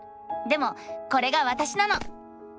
でもこれがわたしなの！